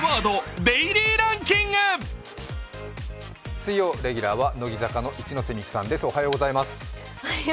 水曜レギュラーは乃木坂の一ノ瀬美空さんです。